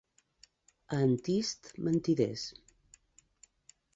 A Antist, mentiders.